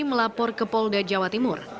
melapor ke polda jawa timur